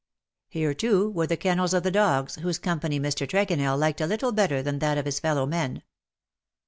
Here, too, were the kennels of the dogs, whose company Mr. Tregonell liked a little better than that of his fellow men.